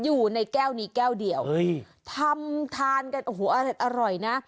อยู่ในแก้วนี้แก้วเดียวทำทานกันโอ้โหอร่อยนะ